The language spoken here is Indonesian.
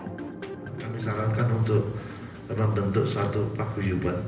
kami sarankan untuk membentuk suatu paguyuban